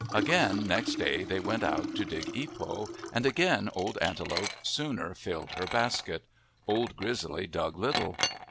Again next day they went out to dig ipo, and again Old Antelope sooner filled her basket. Old Grizzly dug little.